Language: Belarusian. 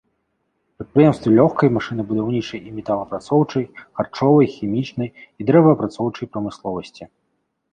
Прадпрыемствы лёгкай, машынабудаўнічай і металаапрацоўчай, харчовай, хімічнай і дрэваапрацоўчай прамысловасці.